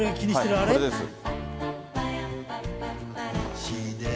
あれです。